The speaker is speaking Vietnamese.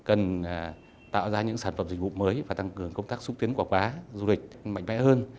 cần tạo ra những sản phẩm dịch vụ mới và tăng cường công tác xúc tiến quả quá du lịch mạnh mẽ hơn